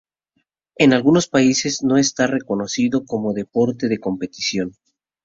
En algunos países no está reconocido como deporte de competición.